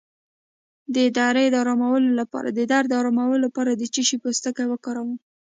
د درد د ارامولو لپاره د څه شي پوستکی وکاروم؟